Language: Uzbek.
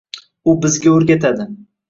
U bizga o'rgatadi